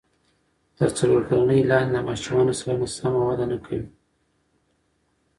تر څلور کلنۍ لاندې د ماشومانو سلنه سمه وده نه کوي.